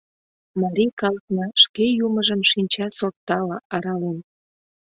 Марий калыкна шке Юмыжым шинча сортала арален.